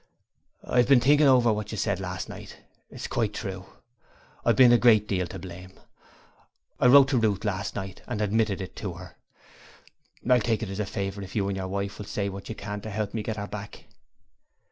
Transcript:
'I've been thinking over what you said last night; it's quite true. I've been a great deal to blame. I wrote to Ruth last night and admitted it to her. I'll take it as a favour if you and your wife will say what you can to help me get her back.'